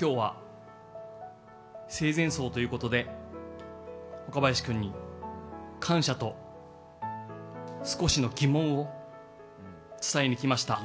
今日は、生前葬ということで若林君に感謝と少しの疑問を伝えに来ました。